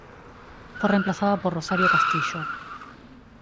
Fue reemplazada por Rosario Castillo.